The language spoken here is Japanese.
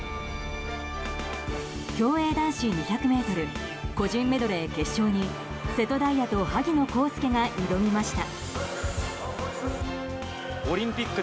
競泳男子２００ｍ個人メドレー決勝に瀬戸大也と萩野公介が挑みました。